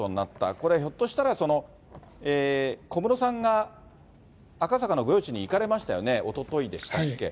これひょっとしたら小室さんが赤坂の御用地に行かれましたよね、おとといでしたっけ。